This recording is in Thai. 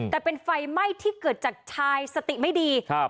แต่เป็นไฟไหม้ที่เกิดจากชายสติไม่ดีครับ